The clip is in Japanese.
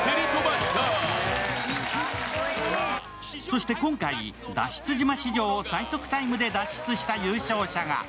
そして今回、脱出島史上最速タイムで脱出した優勝者が。